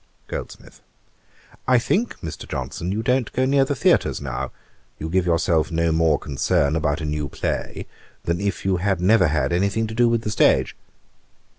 GOLDSMITH. 'I think, Mr. Johnson, you don't go near the theatres now. You give yourself no more concern about a new play, than if you had never had any thing to do with the stage.'